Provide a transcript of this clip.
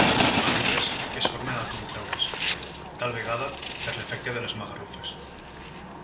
Arrugues que es formen al contreure's, tal vegada per l'efecte de les magarrufes.